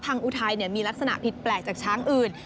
อุทัยมีลักษณะผิดแปลกจากช้างอื่น